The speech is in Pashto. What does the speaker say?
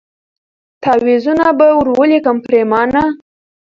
تعویذونه به ور ولیکم پرېمانه